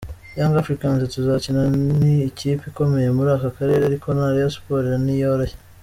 Young Africans tuzakina ni ikipe ikomeye muri aka karere ariko na Rayon Sports ntiyoroshye.